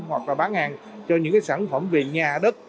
hoặc là bán hàng cho những cái sản phẩm về nhà đất